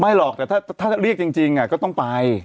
หรอกแต่ถ้าเรียกจริงก็ต้องไป